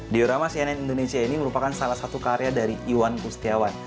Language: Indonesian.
diorama cnn indonesia ini merupakan salah satu karya dari iwan kustiawan